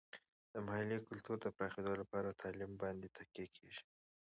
د محلي کلتور د پراختیا لپاره تعلیم باندې تکیه کیږي.